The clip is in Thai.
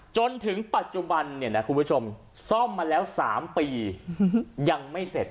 จนถึงปัจจุบันเนี่ยนะคุณผู้ชมซ่อมมาแล้ว๓ปียังไม่เสร็จ